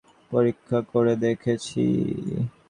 কাল সন্ধ্যা হতে তোমার ঔষধ পরীক্ষা করে দেখছি।